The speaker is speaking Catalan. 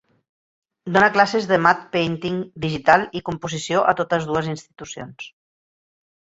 Dona classes de "matte painting" digital i composició a totes dues institucions.